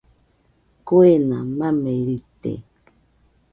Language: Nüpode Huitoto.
Kuena mamerite.